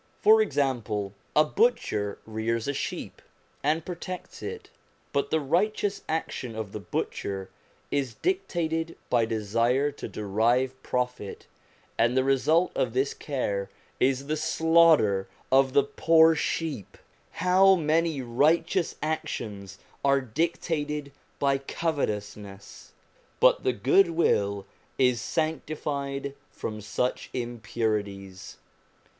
For example, a butcher rears a sheep, and protects it ; but this righteous action of the butcher is dictated by desire to derive profit, and the result of this care is the slaughter of the poor sheep. How many righteous actions are dictated by covetousness ! But the good will is sanctified from such impurities.